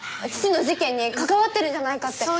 父の事件に関わってるんじゃないかって。